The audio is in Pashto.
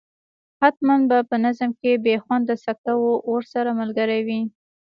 حتما به په نظم کې بې خونده سکته ورسره ملګرې وي.